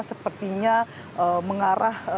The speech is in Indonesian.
sepertinya mengarah ditunjukkan